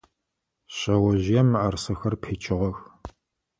Шъэожъыем мыӏэрысэхэр пичыгъэх.